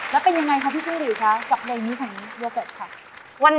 อยากแต่งานกับเธออยากแต่งานกับเธอ